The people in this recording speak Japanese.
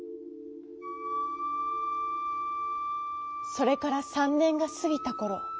それから３ねんがすぎたころ。